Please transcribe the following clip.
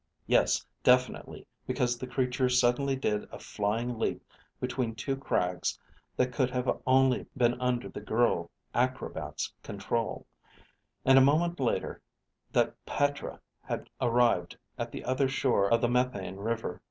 Yes, definitely; because the creature suddenly did a flying leap between two crags that could have only been under the girl acrobat's control), and a moment later that Petra had arrived at the other shore of the methane river.